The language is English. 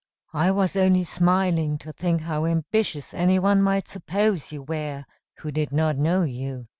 "I was only smiling to think how ambitious any one might suppose you were who did not know you."